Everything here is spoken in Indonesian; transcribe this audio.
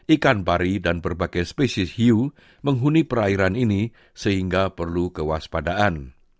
ikan bari dan berbagai spesies hiu menghuni perairan ini sehingga perlu kewaspadaan